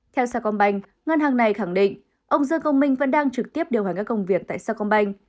theo sa công banh ngân hàng này khẳng định ông dân công minh vẫn đang trực tiếp điều hành các công việc tại sa công banh